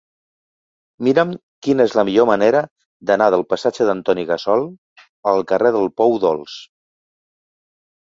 Mira'm quina és la millor manera d'anar del passatge d'Antoni Gassol al carrer del Pou Dolç.